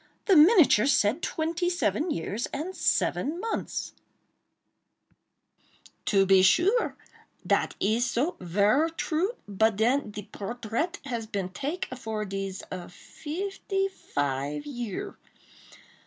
The miniature said twenty seven years and seven months!" "To be sure!—dat is so!—ver true! but den de portraite has been take for dese fifty five year.